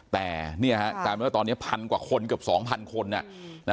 แต่ตอนนี้พันกว่าคนเกือบ๒๐๐๐คน